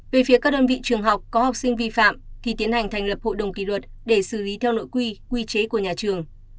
về phía các đơn vị trường học có học sinh vi phạm thì tiến hành thành lập hội đồng kỳ luật để xử lý theo nội quy quy chế của nhà trường